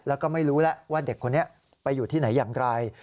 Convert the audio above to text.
แล้วก็ไม่รู้แล้วว่าเด็กคนนี้ไปอยู่ที่ไหนอย่างไร